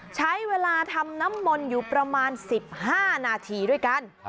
ใช้เวลาทำน้ำมนต์อยู่ประมาณ๑๕นาทีด้วยกัน